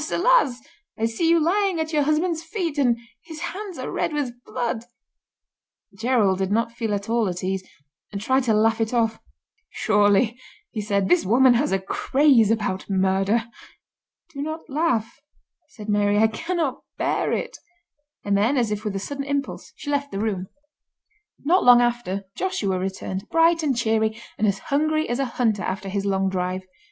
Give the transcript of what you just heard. alas! I see you lying at your husband's feet, and his hands are red with blood.'" Gerald did not feel at all at ease, and tried to laugh it off. "Surely," he said, "this woman has a craze about murder." "Do not laugh," said Mary, "I cannot bear it," and then, as if with a sudden impulse, she left the room. Not long after Joshua returned, bright and cheery, and as hungry as a hunter after his long drive.